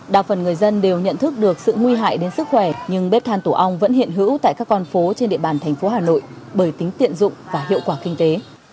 đa phần người dân đều nhận thức được sự nguy hại đến sức khỏe nhưng bếp than tổ ong vẫn hiện hữu tại các con phố trên địa bàn thành phố hà nội bởi tính tiện dụng và hiệu quả kinh tế